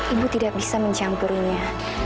ibu tidak bisa mencampurinya